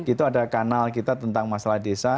itu ada kanal kita tentang masalah desa